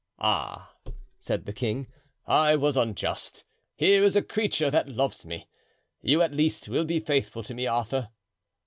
"Ah!" said the king, "I was unjust; here is a creature that loves me. You at least will be faithful to me, Arthur."